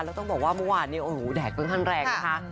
แล้วต้องบอกว่าเมื่อวานเนี่ยโอ้โหแดดค่อนข้างแรงนะคะ